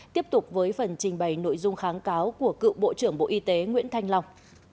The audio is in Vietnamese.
tiếp tục với phần trình bày nội dung kháng cáo của cựu bộ trưởng bộ y tế nguyễn thanh long